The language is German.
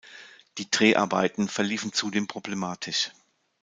Die Dreharbeiten verliefen zudem problematisch.